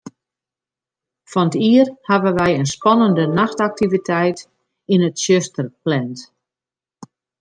Fan 't jier hawwe wy in spannende nachtaktiviteit yn it tsjuster pland.